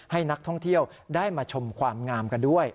ให้นักท่องเที่ยวได้มาชมความงามกันด้วย